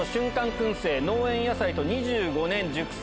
薫製、農園野菜と２５年熟成